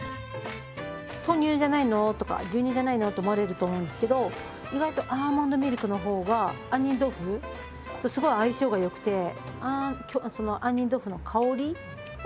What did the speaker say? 豆乳じゃないの？とか牛乳じゃないの？と思われると思うんですけど意外とアーモンドミルクの方が杏仁豆腐とすごい相性が良くて杏仁豆腐の香りを引き立ててくれます。